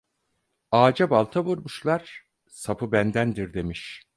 Ağaca balta vurmuşlar "sapı bendendir" demiş.